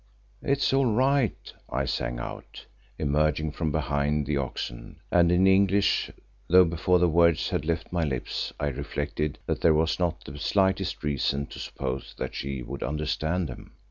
"It's all right," I sang out, emerging from behind the oxen, and in English, though before the words had left my lips I reflected that there was not the slightest reason to suppose that she would understand them.